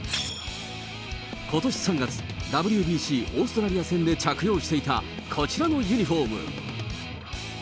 ことし３月、ＷＢＣオーストラリア戦で着用していたこちらのユニホーム。